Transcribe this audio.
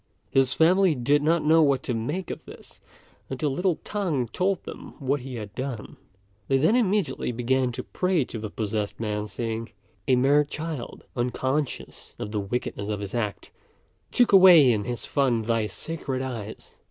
His family did not know what to make of this, until little T'ang told them what he had done; they then immediately began to pray to the possessed man, saying, "A mere child, unconscious of the wickedness of his act, took away in his fun thy sacred eyes.